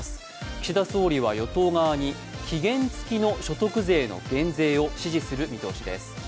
岸田総理は与党側に期限付きの所得税の減税を指示する見通しです。